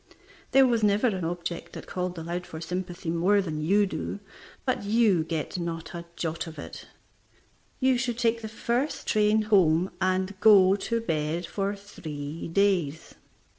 There was never an object that called aloud for sympathy more than you do, but you get not a jot of it. You should take the first train home and go to bed for three days.